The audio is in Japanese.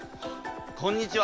こんにちは！